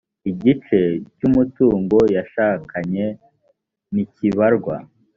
igice cy umutungo yashakanye ntikibarwa